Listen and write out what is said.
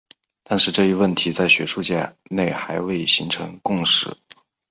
但是这一问题在学界内还未形成共识。